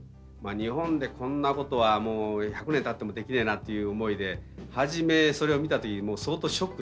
日本でこんなことは１００年たってもできねえなっていう思いで初めそれを見た時相当ショックだったですね。